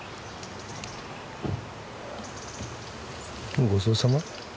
もうごちそうさま？